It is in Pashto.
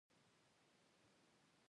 هر څه ډېر پیدا کېږي .